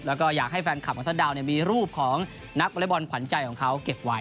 แล้วก็อยากให้แฟนคลับของท่านดาวมีรูปของนักวอเล็กบอลขวัญใจของเขาเก็บไว้